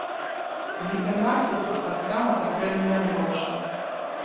Гіпермаркету таксама патрэбныя грошы.